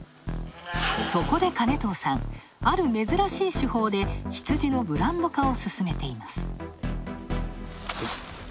そこで金藤さん、ある珍しい手法で羊のブランド化を進めています。